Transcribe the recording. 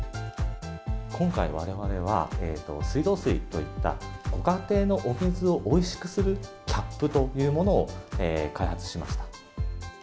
今回われわれは、水道水といったご家庭のお水をおいしくするキャップというものを開発しました。